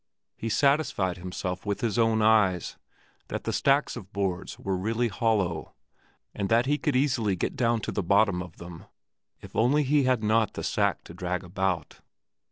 He satisfied himself with his own eyes that the stacks of boards were really hollow, and that he could easily get down to the bottom of them, if only he had not had the sack to drag about.